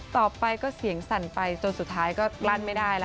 ต่อไปก็เสียงสั่นไปจนสุดท้ายก็ลั่นไม่ได้แล้ว